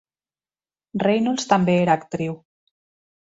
Reynolds també era actriu.